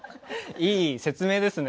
いい説明ですね。